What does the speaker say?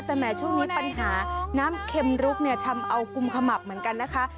แต่แหมช่วงนี้ปัญหาน้ำเข็มลุกเนี่ยทำเอากุมขมับเหมือนกันนะคะ